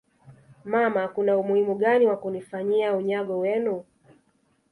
mama Kuna umuhimu gani wa kunifanyia unyago wenu